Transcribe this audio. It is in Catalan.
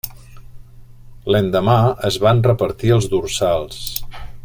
L'endemà, es van repartir els dorsals.